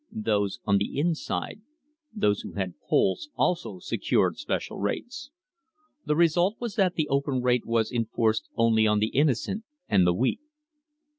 Those "on the inside," those who had "pulls," also secured special rates. The result was that the open rate was enforced only on the innocent and the weak.